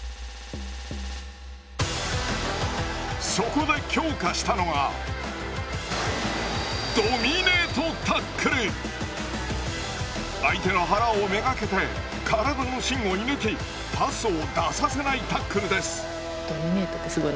そこで強化したのが相手の腹を目がけて体の芯を射ぬきパスを出させないタックルです。